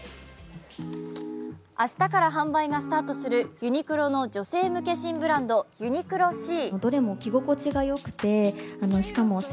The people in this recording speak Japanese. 明日から販売がスタートするユニクロの女性向け新ブランド・ユニクロ：シー。